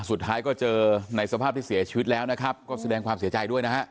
สุดท้ายก็เจอในสภาพที่เสียชีวิตแล้วนะครับก็แสดงความเสียใจด้วยนะฮะ